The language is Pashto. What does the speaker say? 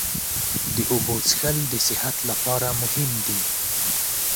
د اوبو څښل د صحت لپاره مهم دي.